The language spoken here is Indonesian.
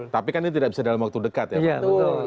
tapi kan ini tidak bisa dalam waktu dekat ya pak